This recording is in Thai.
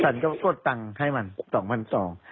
ฉันก็กดตังค์ให้มัน๒๒๐๐บาท